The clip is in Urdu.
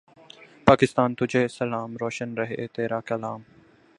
پاکستان تجھے سلام۔ روشن رہے تیرا کلام